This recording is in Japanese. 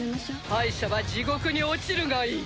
敗者は地獄に落ちるがいい！